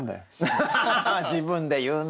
自分で言うんだよな。